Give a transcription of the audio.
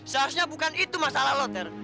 seharusnya bukan itu masalah lu ter